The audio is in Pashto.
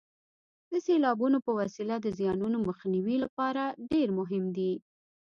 د سیلابونو په وسیله د زیانونو مخنیوي لپاره ډېر مهم دي.